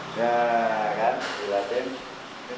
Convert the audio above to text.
tuh ya kan lihatin